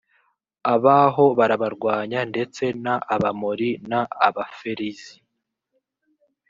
abaho barabarwanya ndetse n abamori n abaferizi